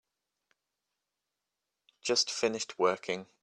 Just finished working.